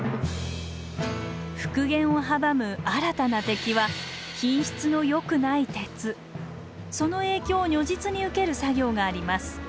復元を阻む新たな敵はその影響を如実に受ける作業があります。